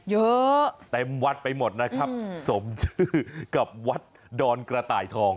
เยอะเต็มวัดไปหมดนะครับสมชื่อกับวัดดอนกระต่ายทอง